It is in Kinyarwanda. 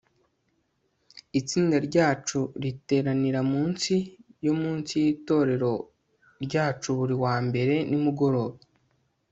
itsinda ryacu riteranira mu nsi yo munsi yitorero ryacu buri wa mbere nimugoroba